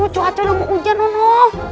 cukacol udah mau hujan pak